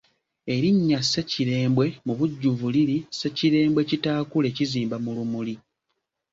Erinnya Ssekirembwe mubujjuvu liri Ssekirembwe kitaakule kizimba mu lumuli.